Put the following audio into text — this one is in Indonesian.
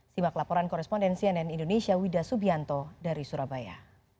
simak laporan korespondensi ann indonesia wida subianto dari surabaya